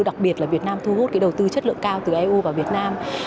đặc biệt là việt nam thu hút đầu tư chất lượng cao từ eu vào việt nam